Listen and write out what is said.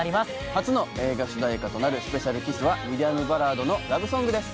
「初の映画主題歌となる『ＳｐｅｃｉａｌＫｉｓｓ』はミディアムバラードのラブソングです」